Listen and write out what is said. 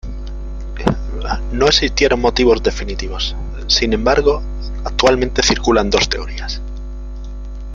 No existieron motivos definitivos, sin embargo, actualmente circulan dos teorías.